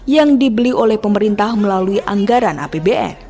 yang dibeli oleh pemerintah melalui anggaran apbn